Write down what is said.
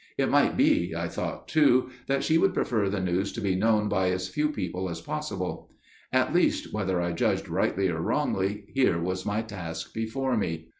It might be, I thought too, that she would prefer the news to be known by as few people as possible. At least, whether I judged rightly or wrongly, here was my task before me.